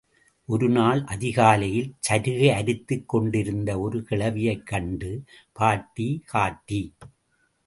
ஒருநாள் அதிகாலையில் சருகு அரித்துக் கொண்டிருந்த ஒரு கிழவியைக் கண்டு, பாட்டி காட்டி!